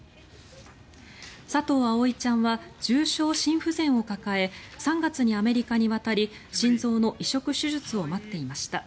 佐藤葵ちゃんは重症心不全を抱え３月にアメリカに渡り心臓の移植手術を待っていました。